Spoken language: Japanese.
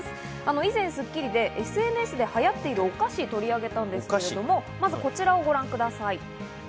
以前『スッキリ』で、ＳＮＳで流行っているお菓子を取り上げたんですけれども、こちらをご覧ください。